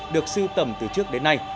được sư tầm từ trước đến nay